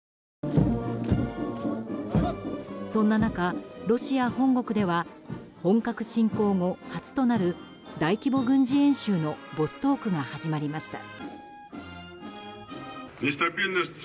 そんな中、ロシア本国では本格侵攻後初となる大規模軍事演習のボストークが始まりました。